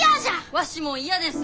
わしも嫌です！